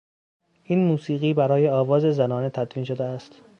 این موسیقی برای آواز زنانه تدوین شده است.